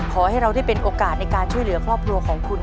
ขอให้เราได้เป็นโอกาสในการช่วยเหลือครอบครัวของคุณ